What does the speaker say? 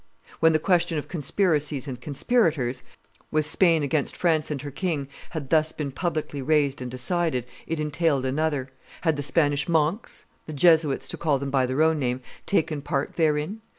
When the question of conspiracies and conspirators with Spain against France and her king had thus been publicly raised and decided, it entailed another: had the Spanish monks, the Jesuits, to call them by their own name, taken part therein?